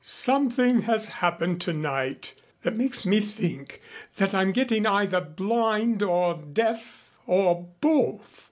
Something has happened tonight that makes me think that I'm getting either blind or deaf or both.